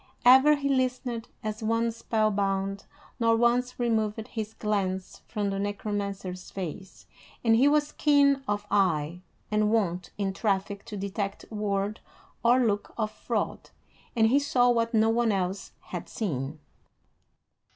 Ever he listened, as one spellbound, nor once removed his glance from the Necromancer's face; and he was keen of eye, and wont in traffic to detect word or look of fraud, and he saw what no one else had seen.